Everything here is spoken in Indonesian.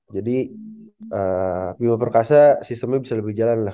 jadi bima perkasa sistemnya bisa lebih jalan lah